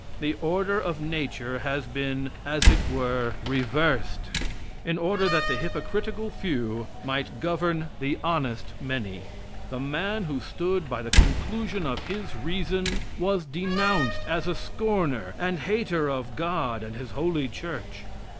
The order of nature has been, as it were, reversed, in order that the hypocritical few might govern the honest many. The man who stood by the conclusion of his reason was denounced as a scorner and hater of God and his holy church.